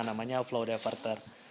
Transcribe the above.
namanya flow diverter